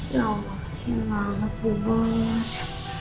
ya allah sayang banget bu bos